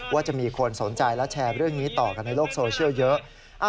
ว่าจะมีคนสนใจและแชร์เรื่องนี้ต่อกันในโลกโซเชียลเยอะ